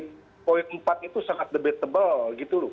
poin empat itu sangat debatable gitu loh